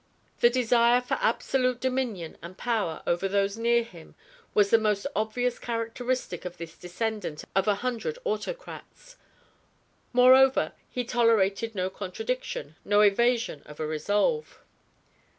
The desire for absolute dominion and power over those near him was the most obvious characteristic of this descendant of a hundred autocrats. Moreover, he tolerated no contradiction, no evasion of a resolve.